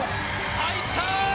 入った。